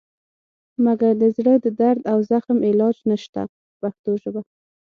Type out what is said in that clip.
مګر د زړه د درد او زخم علاج نشته په پښتو ژبه.